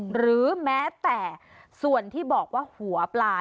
หรือแม้แต่ส่วนที่บอกว่าหัวปลา